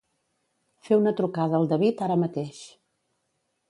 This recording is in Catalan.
Fer una trucada al David ara mateix.